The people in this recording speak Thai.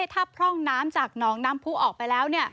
ถ้าพร่องน้ำจากหนองน้ำผู้ออกไปแล้ว